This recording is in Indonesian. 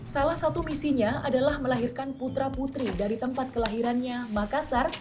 salah satu misinya adalah melahirkan putra putri dari tempat kelahirannya makassar